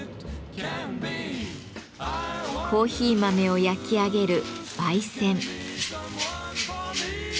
コーヒー豆を焼き上げる「焙煎」。